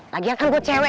lagian kan gue cewek